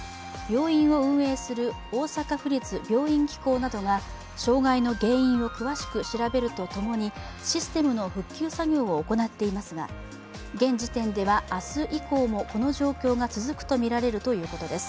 病院を運営する大阪府立病院機構などが障害の原因を詳しく調べるとともにシステムの復旧作業を行っていますが現時点では、明日以降もこの状況が続くとみられるということです。